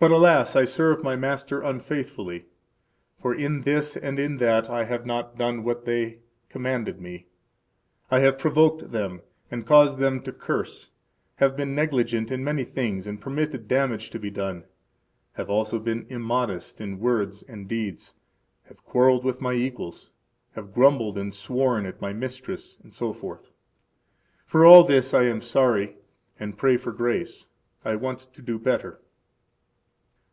But, alas, I serve my master unfaithfully; for in this and in that I have not done what they commanded me; I have provoked them, and caused them to curse, have been negligent [in many things] and permitted damage to be done; have also been immodest in words and deeds, have quarreled with my equals, have grumbled and sworn at my mistress, etc. For all this I am sorry, and pray for grace; I want to do better.